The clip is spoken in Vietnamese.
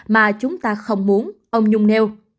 mà chúng ta không muốn ông nhung nêu